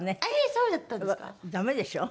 そうだったんですか？